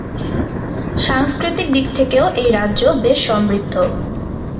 সাংস্কৃতিক দিক থেকেও এই রাজ্য বেশ সমৃদ্ধ।